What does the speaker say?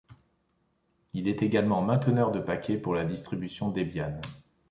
Il est également mainteneur de paquets pour la distribution Debian.